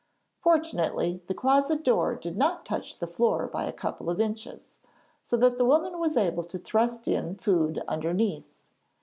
Fortunately the closet door did not touch the floor by a couple of inches, so that the woman was able to thrust in food underneath.